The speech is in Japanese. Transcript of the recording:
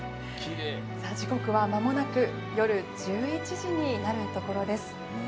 時刻は、まもなく夜１１時になるところです。